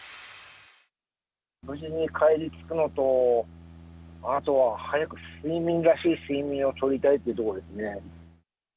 無事に帰りつくのと、あとは早く睡眠らしい睡眠をとりたいというところですかね。